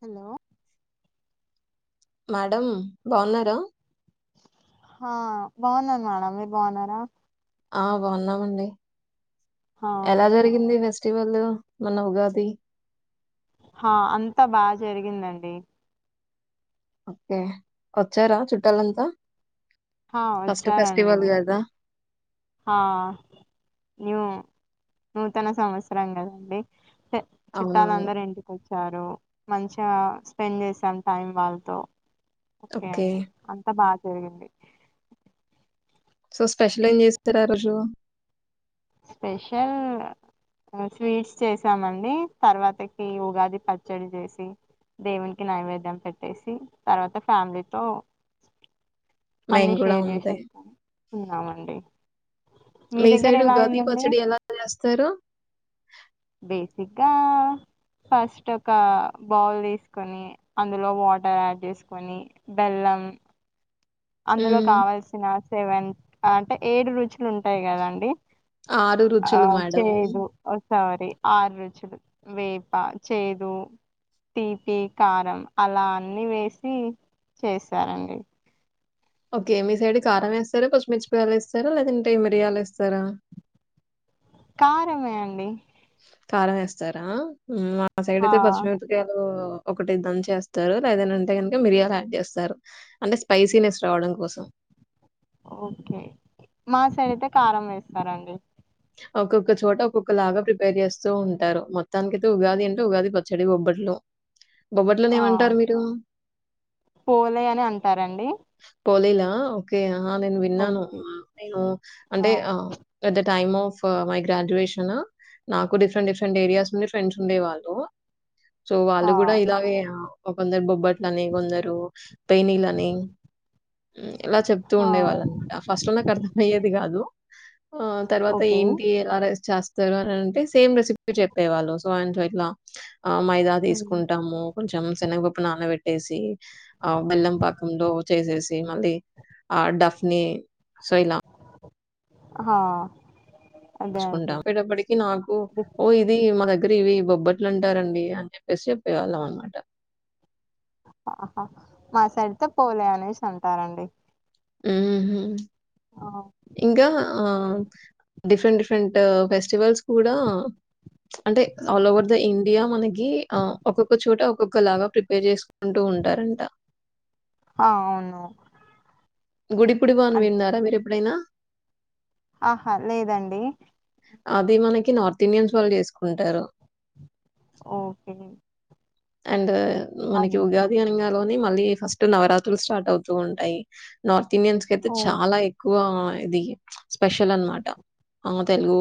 Hello madam బాగున్నారా ఆ బాగున్నాను మేడం మీరు బాగున్నారా ఆ బాగున్నామండి హా ఎలా జరిగింది ఫస్ట్ ఈ వాళ్ళ మన ఉగాది ఆ అంతా బాగా జరిగిందండి ఓకే వచ్చారా చుట్టాలంతా హా ఫస్ట్ ఫెస్టివల్ కదా ఆ న్యూ నూతన సంవత్సరం కదండి ఏ అవునవును. చుట్టాలందరు ఇంటికి వచ్చారు మంచిగా స్పెండ్ చేసాం టైం వాళ్ళతో ఓకే అండి అంత బాగా ఉమ్ అండి సో స్పెషల్ ఏం చేస్తారు ఆ రోజు స్పెషల్ స్వీట్స్ చేసామండి తర్వాతకి ఉగాది పచ్చడి చేసి దేవునికి నైవేద్యం పెట్టేసి తర్వాత ఫ్యామిలీతో అన్ని మేము గూడా షేర్ అంతే. చేసేస్తాను ఉన్నామండి మీ దగ్గర సైడ్ ఎలా ఉగాది అయిందండి పచ్చడి ఎలా చేస్తారు బేసిగ్గా ఫస్ట్ ఒక బౌల్ తీసుకొని అందులో వాటర్ యాడ్ చేసుకొని బెల్లం అం అందులో హ్మ్. కావల్సిన సెవెన్ అంటే ఏడు రుచులు ఉంటాయి కదాండి ఆ రుచులు మేడం. చేదు ఒసారి ఆర్ రుచులు వేపా చేదు తీపి కారం అలా అన్ని వేసి చేసారండి ఓకే మీ సైడ్ కారం వేస్తార పచ్చిమిరపకాయల్ ఎస్తారా లేదంటే మిరియాలు ఎస్తారా కారమే అండి కారం ఎస్తారా మా సైడ్ ఆ అయితే పచ్చిమిపకాయలు ఒకటి దంచేస్తారు లేదన్న ఉంటే గనక మిరియాలు యాడ్ చేస్తారు అంటే స్పైసీనెస్ రావడం కోసం ఓకే మా సైడ్ అయితే కారం వేస్తారండి ఒక్కొక్క చోట ఒక్కొక్క లాగా ప్రిపేర్ చేస్తూ ఉంటారు మొత్తానికికైతే ఉగాది అంటే ఉగాది పచ్చడి బొబ్బట్లు లు బొబ్బట్ల అని ఆ ఏమంటారు మీరు పోలే అని అంటారండి పోలీలా ఓకే నేను విన్నాను ఓకే నేను అంటే ఆ పె టైమ్ ఆఫ్ మై గ్రాడ్యుయేషన్ నాకు డిఫరెంట్ డిఫరెంట్ ఏరియాస్ నుండి ఫ్రెండ్స్ ఉండే వాళ్ళు సో ఆ వాళ్ళు కూడా ఇలాగే కొందరు బొబ్బట్ల అని కొందరు పెనీల అని ఇలా చెప్తూ ఆ ఉండే వాళ్ళు అనమాట ఫస్ట్ లో నాకు అర్థమయ్యేది కాదు ఆ తర్వాత ఓకే ఏంటి ఎలా రైస్ చేస్తారు అని అంటే సేమ్ రెసిపీ చెప్పేవాళ్ళు సో అండ్ సో ఇట్లా ఆ మైదా తీసుకుంటాము కొంచెం శనగప్పు నానబె ట్టేసి ఆ బెల్లం పాకంలో చేసేసి మళ్ళీ ఆ డఫ్ ని సో ఇలా హా మచుకుంటాం అపడప్పటికి నాకు ఓ ఇది మా దగ్ ఇవి బొబ్బట్లు అంటారండి అని చెప్పేసి చెప్పేవాళ్ళం అనమాట ఆహా మా సెడ్త్ పోలే అనేసి అంటారండి మ్ హు ఆ ఇంగ ఆ డిఫరెంట్ డిఫరెంట్ ఫెస్టివల్స్ కూడా అంటే ఆల్ ఓవర్ ద ఇండియా మనకి ఆ ఒక్కొక్క చోట ఒక్కొక్క లాగా ప్రిపేర్ చేసు అవును గుడిపుడివాన్ అ విన్నారా మీరు ఎప్పుడైనా ఆహా లేదండి అది మనకి నార్త్ ఇండియన్స్ వాళ్ళు చేసుకుంటారు ఓకే అండ్ మనకి అవును ఉగాది అనగ లో మళ్ళీ ఫస్ట్ నవరాత్రులు స్టార్ట్ అవుతూ ఉంటాయి నార్ ఇండియన్స్ అయితే ఓ చాలా ఎక్కువ ఇది స్పెషల్ అన్నమాట ఆ తెలుగు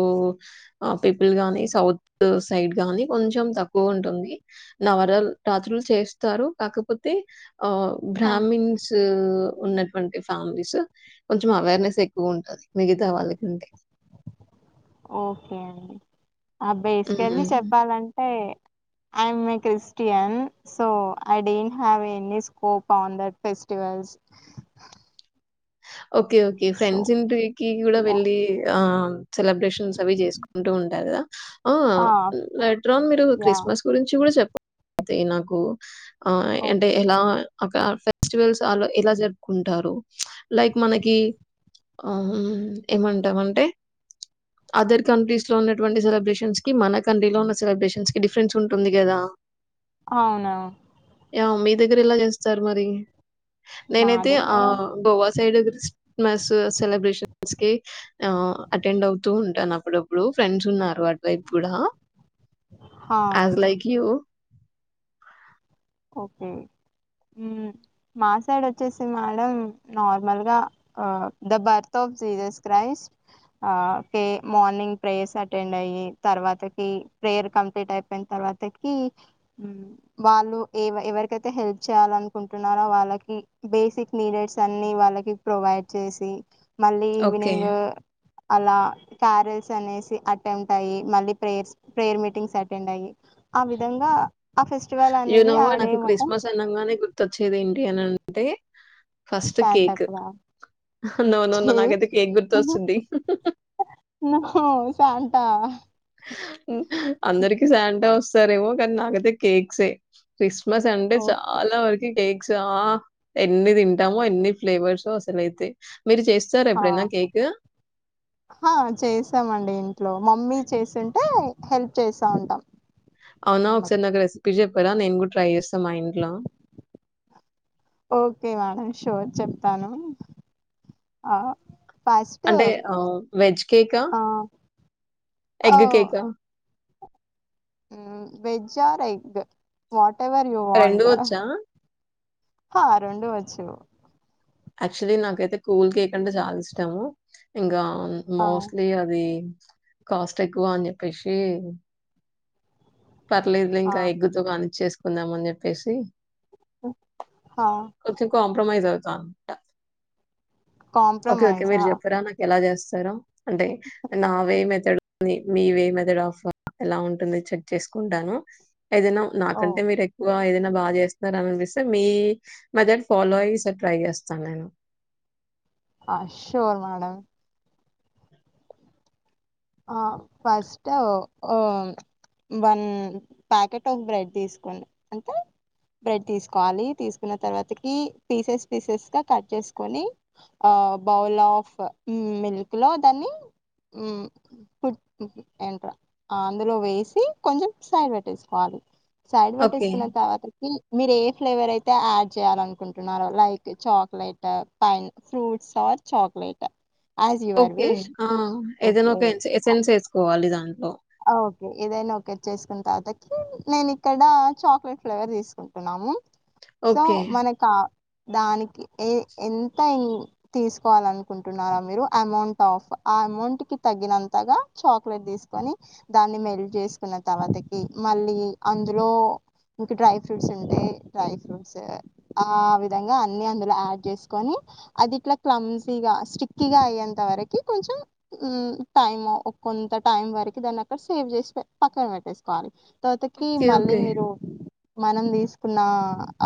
పీపుల్ గాని సౌత్ సైడ్ గానీ కొంచెం తక్కువ ఉంటు నవరాల్ రాత్రులు చేస్తారు కాకపోతే ఆ ఆ బ్రామిన్స్ ఉన్నట్ వంటి ఫ్యామిలీస్ కొంచెం అవేర్నెస్ ఎక్కువ ఉంటుంది మిగతా వాళ్ళకంటే ఓకే అండి ఆబేసికల్లి హ్మ్. చెప్పాలంటే I'm a Christian so I don't have any scope on that festivals okay okay so friends ఇంటివికి కూడా యా వెళ్ళి ఆ సెలబ్రేషన్స్ అవి చేసుకుంటూ ఉంటారు కదా ఆ లైట్రాన్ మీరు యా క్రిస్మస్ గురించి కూడా చెప్ప నాకు ఆ ఓ అంటే ఎలా అక్కడ ఫెస్టివల్స్ వాళ ఎలా జరుపుకుంటారు లైక్ మనకి ఆ ఏమంటామంటే అదర్ కంట్రీస్ లో ఉన్నటువంటి సెలబ్రేషన్స్ కి మన కంట్రీ లో ఉన్న సెలబ్రేషన్స్ కి డిఫరెన్స్ ఉంటుంది కదా అవున మీ దగ్గర ఇలా చేస్తారు మరి మా నేనైతే ఆ దగ్గర గోవా సైడ్ మస్ సెలబ్రేషన్స్ కి అటెండ్ అవుతూ ఉంటాను ఆపు అప్పుడప్పుడు ఫ్రెండ్స్ ఉన్నారు అటువైపు కూడా హా యాజ్ లైక్ యూ ఓకే మాసడు వచ్చేసి మేడం నార్మల్గా the birth of Jesus Christ morning prayers attend అయ్యి తర్వాతకి ప్రేయర్ కంప్లీట్ అయిపోయిన తర్వాతకి వాళ్ళు ఎవరికైతే హెల్ప్ చేయాలి అనుకుంటున్నారో వాళ్ళకి బేసిక్ నీడెడ్స్ అన్ని వాళ్ళకి ప్రొవైడ్ చేసి మళ్ళీ ఓకే. ఈవినింగ్ అలా క్యారల్స్ అనేసి అటెంప్ట్ అయ్యి మళ్ళీ ప్రేయర్ ప్రేయర్ మీటింగ్స్ అటెండ్ అయ్యి ఆ విధంగా ఆ ఫెస్టివల్ యూ అనేది ఆ డే నాకు మొత్తం క్రిస్మస్ అనంగానే గుర్తొచ్చేది ఏంటి అని అంటే first stand cake up no no hey నాకైతే కేక్ గుర్తుొస్తుంది ఉహు ఫాంటా అందరికి శాంటా వస్తారేమో కానీ నాకైతే కేక్సే క్రిస్మస్ అంటే ఓకే చాలా వరకు కేక్ ఎన్ని తింటామో ఎన్ని ఫ్లేవర్స్ వో అసలుైతే ఆ చేసామండి ఇంట్లో మమ్మీ చేస్తుంటే హెల్ప్ చేస్తా ఉంటాం అవునా ఒకసారి అమ్మకి నాకు రెసిపీ చెప్పారా నేను కూడా ట్రై చేస్తాను మా ఇంట్లో ఓకే మేడం షోర్ చెప్తాను ఆ ఫస్ట్ అంటే ఆహ్, వెజ్ కేకా? ఆ ఓ ఎగ్ కేకా? Veg or egg whatever you want ఒచ్చా. ఆ రెండు వచ్చు యాక్చువలీ నాకైతే కూల్ కేక్ అంటే చాలా ఇష్టము ఇంకా ఆ మోస్ట్లీ అది కాస్ట్ ఎక్కువ అని చెప్పేసి పర్లేదులే ఆ ఇంకా ఎగ్తో కాని చ్చేసుకున్నాం అని చెప్పేసి హా కొంచెం కాంప్రమైజ్ అవుత అనమాట ఓకే ఓకే మీరు కాంప్రమైజా చెప్పరా నాకు ఎలా చేస్త స అంటే నా వే మెథడ్ మీ వే మెథడ్ ఆఫ్ ఎలా ఉంటుంది చె చేసుకుంటాను ఏదైనా ఓ నాకంటే మీరు ఎక్కువ ఏదైనా బాగా చేస్తార అని అనిపిస్తే మీ మెథడ్ ఫాలో అయ్యి ట్రై చేస్తాను నేను [inaudible] ఆషూ ఆ మేడా ఆ first hum one packet of bread తీసుకోండి అంతే బ్రెడ్ తీసుకోవాలి తీసుకున్న తర్వాతకి పీసెస్ పీసెస్ గా కట్ చేసుకొని బౌల్ ఆఫ్ మిల్క్ లో దాన్ని హమ్ పుట్ ఎంట్రా అందులో వేసి కొంచెం సైడ్ పెట్టేసుకోవాలి సైడ్ ఓకే. పెట్టేసుకున్న తర్వాతకి మీరు ఏ ఫ్లేవర్ అయితే యాడ్ చేయాల అనుకుంటున్నారో like chocolate pine fruits chocolate okay ఆ ఏదైనా ఒక ఎ ఎసెన్స్ వేసుకోవాలి దాంట్లో ఆ ఓకే ఏదైనా ఓకే చేసుకున్న తర్వాతకి నేను ఇక్కడ చాక్లెట్ ఫ్లేవర్ తీసుకుంటున్నాము సో ఓకే. మనకా దానికి ఎ ఎంత తీసుకోవాలనుకుంటున్నారో మీరు అమౌంట్ ఆఫ్ ఆ అమౌంట్‌కి తగ్గినంతగా చాక్లెట్ తీసుకొని దాన్ని మెల్ట్ చేసుకున్న తర్వాతకి మళ్ళీ అందులో ఇంక డ్రై ఫ్రూట్స్ ఉంటే డ్రై ఫ్రూట్స్ ఆ విధంగా అన్ని అందులో యాడ్ చేసుకొని అది ఇట్లా క్లమ్జీగా స్టిక్కీగా అయ్యేంత వరకి కొంచెం ఉమ్మ్ టైము కొంత టైం వరకి దాన్ని అక్కడ సేవ్ చేసిపే పక్కన పెట్టేసుకోవాలి తతకి ఓకే. మళ్ళీ ఓకే. మీరు మనం తీసుకున్న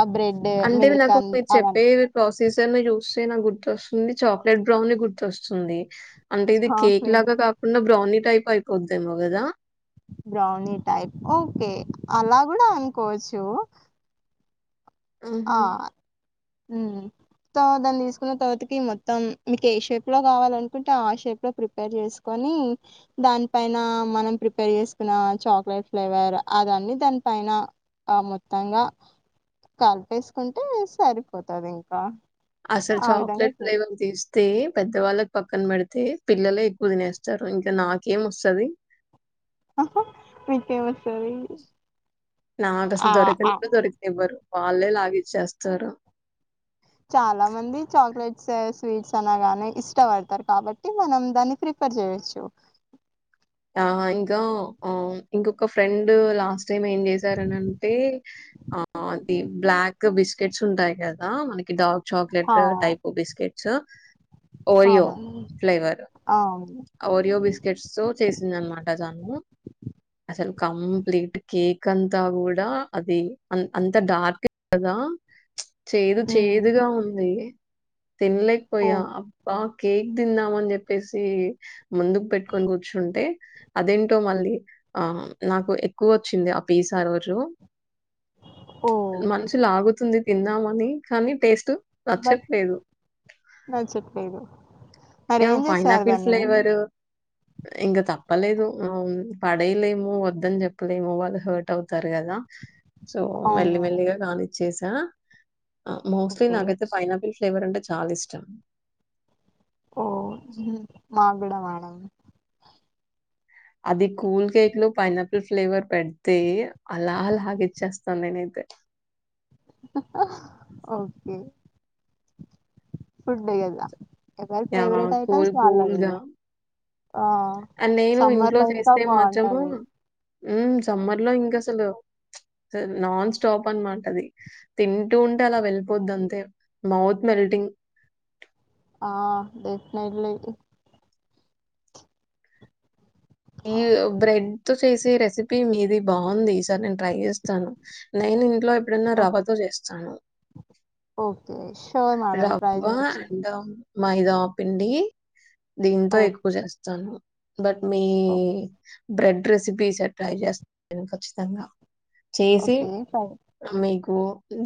ఆ బ్రెడ్ అంటే మిల్క్ నాకు అ మీరు అవ చెప్పే ప్రాసెసర్ అన చూసి టే నాకు గుర్తొస్తుంది చాక్లెట్ బ్రౌన్నే గుర్తొస్తుంది అంటే ఇది కేక్ చాక్లెట్ లాగా కాకుండా బ్రౌనీ టైప్ అయిపోదేమో కదా బ్రౌనీ టైప్ ఓకే అలా గూడా అనుకోవచ్చు మ్మ్ ఉహ్మ్ ఉమ్మ్ తో దాన్ని తీసుకున్న తర్వాతకి మొత్తం మీకు ఏ షేప్‌లో కావాలి అనుకుంటే ఆ షేప్‌లో ప్రిపేర్ చేసుకొ ని దాని పైన మనం ప్రిపేర్ చేసుకున్న చాక్లెట్ ఫ్లేవర్ అదన్ని దాని పై నా ఆ మొత్తంగా కలిపేసుకుంటే సరిపోతది ఇంకా అసలు ఆ విధంగా చాక్లేట్ చే ఫ్లేవర్ తీస్ తే పెద్దవాళ్ళకి పక్కన పెడితే పిల్లలే ఎక్కువ తినేస్తారు ఇంకా నాకేం వస్తది [inaudible] ఆహ మీకేం వస్తాది నాకు అసలు దొరికను కూడా దొరకనీవ్వరు వాళ్ళే లాగిచేస్తారు చాలా మంది చాక్లెట్స్ స్వీట్స్ అనగానే ఇష్టపడతారు కాబట్టి మనం దాన్ని ప్రి పేర్ చేయొచ్చు [inaudible] ఆ ఇంకా ఆ ఇంకొక ఫ్రెండు లాస్ట్ టైం ఏం చేశారనంటే ఆ అది బ్లాక్ బిస్కెట్స్ ఉంటాయి కదా మనకి డార్క్ హా చాక్లేెట్ టైప్ బిస్కెట్స్ ఓరియో అవునండి ఫ్లేవర్ అవును ఓరియో బిస్కెట్స్ సో చేసింది అనమాట తను అసలు కంప్లీట్ కేక్ అంతా కూడా అది అం అంత డార్కే కదా చేదు ఉమ్ చేదుగా ఉంది ఓ తిన్లేకపోయా అబ్బ కేక్ తిందాం అని చెప్పేసి ముందుకు పెట్టుకొని కూర్చుంటే అదేంటో మళ్ళీ ఆ నాకు ఎక్కువ వచ్చింది పీస్ ఆ రోజు ఓ మనసు లాగుతుంది తిందామని కానీ టేస్టు బట్ నాన్ చెప్లేదు యా పైనాపిల్ ఫ్లేవరు ఇంకా తప్పలేదు పడేయ్‌లేము వద్దని చెప్పలేము వాళ్ళు హర్ట్ అవుతారు కదా సో మెల్లి అవును మెల్లిగా కానిచ్చేసా ఆ మోస్ట్లీ ఓకే నాకైతే పైనాపిల్ ఫ్లేవర్ అంటే చాలా ఇష్టం ఓ హ్మ్ మాకూడా మేడం అది కూల్ కేక్ లో పైనాపిల్ ఫ్లేవర్ పెడితే అలా లాగిచ్చేస్తా నేనైతే ఓకే ఫుడే కదా ఎవరి యాహ్! ఫేవరెట్ కూల్ ఐటైమ్స్ వాళ్ళవి కూల్‌గా ఆ అండ్ నేను సమ్మర్ ఇంట్లో లో ఇంకా చేస్తే మాత్రము బాగుంటది మ్మ్ సమ్మర్లో ఇంకా అసలు అసల్ నాన్ స్టాప్ అన్మాట అది తింటూ ఉంటే అలా వెళ్ళిపోద్ది అంతే మౌత్ మెల్టింగ్ ఆ [unintelligible] ఎయు బ్రెడ్ తో చేసి రెసిపీ మీది బాగుంది సార్ నేను ట్రై చేస్తాను నేను ఇంట్లో ఎప్పుడన్నా రవాతో చేస్తాను ఓకే సర్ మనం ప్రయజచ్చ అండ్ మైదా పిండి దీంతో ఓ ఎక్కువ చేస్తాను బట్ ఈ ఓ బ్రెడ్ రెసిపీ ట్రై చేస్తను ఖచ్చితంగా చేసి ఓకే ఫైన్ మీకు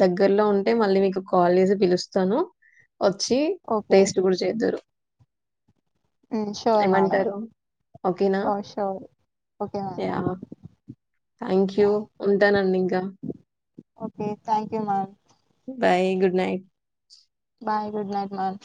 దగ్గర్లో ఉంటే మళ్ళీ మీకు కాల్ చేసి పిలుస్తాను వచ్చి ఓకే టేస్ట్ కూడా చేదురు ఆర్ మడం ఏమంటారు? ఓ [unintelligible] యా థ్యాంక్ యూ మ్యామ్ ఉంటానండి ఇంకా okay thank you ma'am bye good night bye good night ma'am